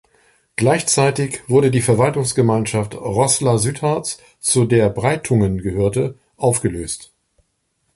Gleichzeitig wurde die Verwaltungsgemeinschaft Roßla-Südharz, zu der Breitungen gehörte, aufgelöst.